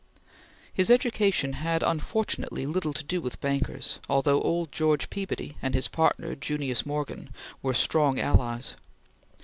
His education had unfortunately little to do with bankers, although old George Peabody and his partner, Junius Morgan, were strong allies.